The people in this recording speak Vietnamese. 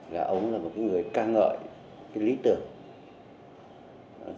là ông là một người ca ngợi cái lý tưởng